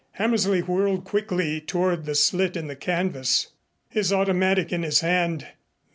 Hammersley whirled quickly toward the slit in the canvas, his automatic in his hand.